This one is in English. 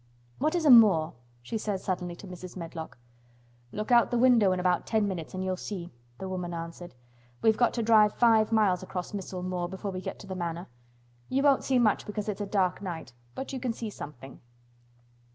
"What is a moor?" she said suddenly to Mrs. Medlock. "Look out of the window in about ten minutes and you'll see," the woman answered. "We've got to drive five miles across Missel Moor before we get to the Manor. You won't see much because it's a dark night, but you can see something."